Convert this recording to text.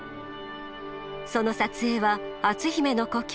その撮影は篤姫の故郷